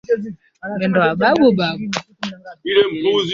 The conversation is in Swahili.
lakini pia yeye ndiye msingi wa kuleta furaha na Amani kwenye jamii kwa kuwa